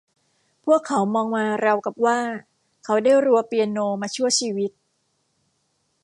พวกเขามองมาราวกับว่า เขาได้รัวเปียโนมาชั่วชีวิต